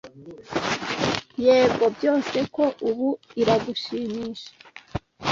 Yego, byose, ko ubu iragushimisha,